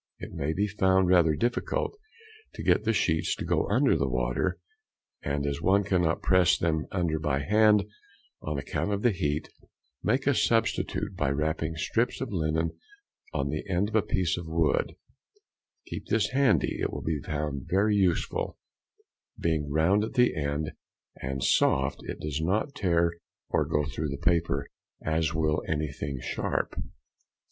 It may be found rather difficult to get the sheets to go under the water; and as one cannot press them under by hand, on account of the heat, make a substitute by wrapping strips of linen on the end of a piece of wood; keep this handy, it will be found very useful; being round at the end, and soft, it does not tear or go through the paper, as will anything sharp.